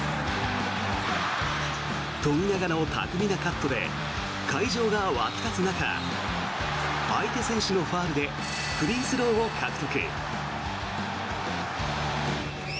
富永の巧みなカットで会場が沸き立つ中相手選手のファウルでフリースローを獲得。